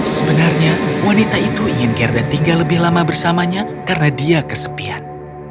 sebenarnya wanita itu ingin gerda tinggal lebih lama bersamanya karena dia kesepian